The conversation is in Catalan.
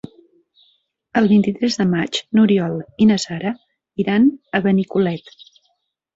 El vint-i-tres de maig n'Oriol i na Sara iran a Benicolet.